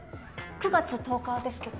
９月１０日ですけど。